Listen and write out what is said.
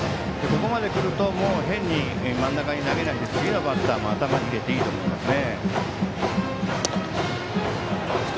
ここまで来ると変に真ん中に投げないで次のバッターも頭に入れていいと思いますね。